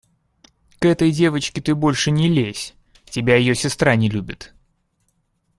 К этой девочке ты больше не лезь: тебя ее сестра не любит.